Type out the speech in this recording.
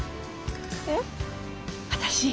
えっ？